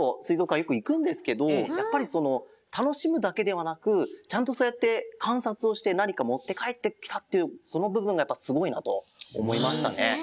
かんよくいくんですけどやっぱりたのしむだけではなくちゃんとそうやってかんさつをしてなにかもってかえってきたっていうそのぶぶんがやっぱすごいなとおもいましたね。